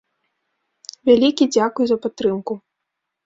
Вялікі дзякуй за падтрымку.